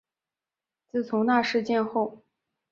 自从那事件后